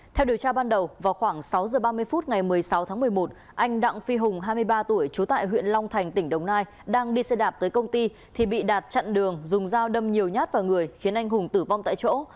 theo điều tra ban đầu vào khoảng sáu giờ ba mươi phút ngày một mươi sáu tháng một mươi một anh đặng phi hùng hai mươi ba tuổi trú tại huyện long thành tỉnh đồng nai đang đi xe đạp tới công ty thì bị đạt chặn đường dùng dao đâm nhiều nhát vào người khiến anh hùng tử vong tại chỗ